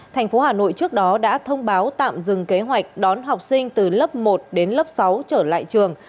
thành phố hà nội trước đó đã thông báo tạm dừng kế hoạch đón học sinh từ lớp một đến lớp sáu trở lại trường